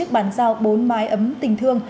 một mươi tám bộ y tế